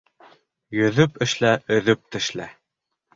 Йөҙөп эшлә, өҙөп тешлә.